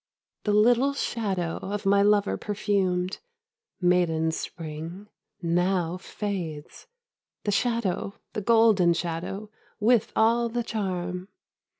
The little shadow of my lover perfumed. Maiden Spring, Now fades, The shadew. The golden shadow. With all the charm.